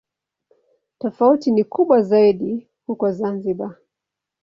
Tofauti ni kubwa zaidi huko Zanzibar.